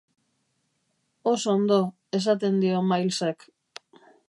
Oso ondo, esaten dio Milesek.